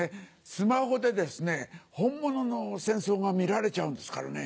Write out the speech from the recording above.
スマホで本物の戦争が見られちゃうんですからね。